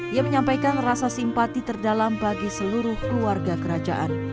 ia menyampaikan rasa simpati terdalam bagi seluruh keluarga kerajaan